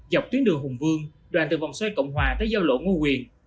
dọc tuyến đường hùng vương đoàn từ vòng xoay cộng hòa tới giao lộ ngô quyền